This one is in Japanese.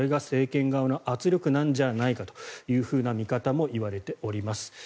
これが政権側の圧力なんじゃないかという見方も言われています。